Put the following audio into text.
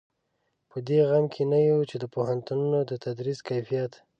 په دې غم کې نه یو چې د پوهنتونونو د تدریس کیفیت.